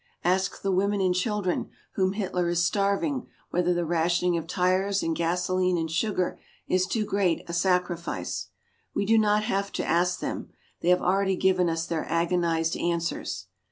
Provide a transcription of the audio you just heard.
Ask the women and children whom Hitler is starving whether the rationing of tires and gasoline and sugar is too great a "sacrifice." We do not have to ask them. They have already given us their agonized answers.